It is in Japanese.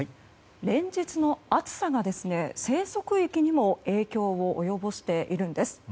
連日の暑さが生息域にも影響を及ぼしているんです。